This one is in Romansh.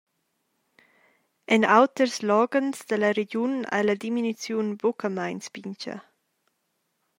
En auters loghens dalla regiun ei la diminuziun buca meins pintga.